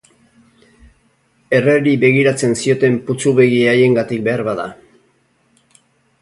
Erreri begiratzen zioten putzu-begi haiengatik beharbada.